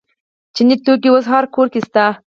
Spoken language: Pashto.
چیني توکي اوس هر کور کې شته.